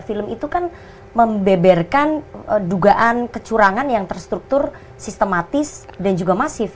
film itu kan membeberkan dugaan kecurangan yang terstruktur sistematis dan juga masif